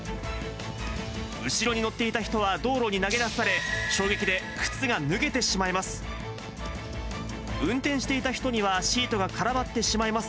後ろに乗っていた人は道路に投げ出され、衝撃で靴が脱げてしまいます。